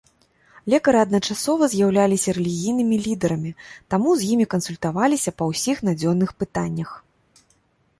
Лекары адначасова з'яўляліся рэлігійнымі лідарамі, таму з імі кансультаваліся па ўсіх надзённых пытаннях.